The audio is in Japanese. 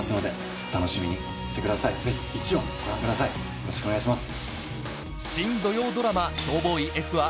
よろしくお願いします。